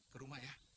ke rumah ya